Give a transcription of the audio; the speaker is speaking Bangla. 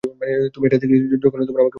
তুমি এটা দেখেছিলে যখন আমাকে বানিয়েছিলে।